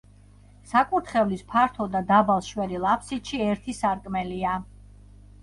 საკურთხევლის ფართო და დაბალ შვერილ აფსიდში ერთი სარკმელია.